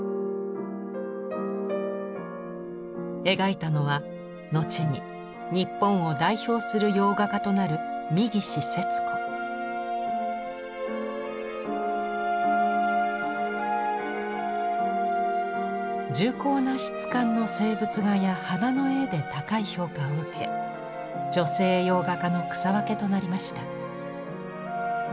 描いたのは後に日本を代表する洋画家となる重厚な質感の静物画や花の絵で高い評価を受け女性洋画家の草分けとなりました。